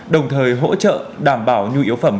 đồng thời hỗ trợ đảm bảo nhu yếu phẩm